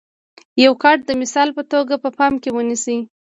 یو کوټ د مثال په توګه په پام کې ونیسئ.